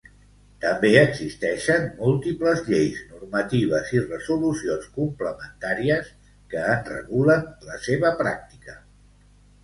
També existeixen múltiples lleis, normatives i resolucions complementàries que en regulen la seva pràctica.